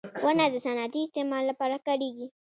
• ونه د صنعتي استعمال لپاره کارېږي.